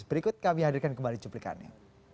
berikut kami hadirkan kembali cuplikannya